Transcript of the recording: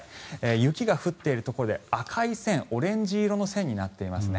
雪が降っているところで赤い線オレンジ色の線になっていますね。